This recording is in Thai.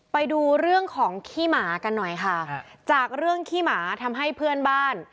ไปดูเรื่องของขี้หมากันหน่อยค่ะจากเรื่องขี้หมาทำให้เพื่อนบ้าน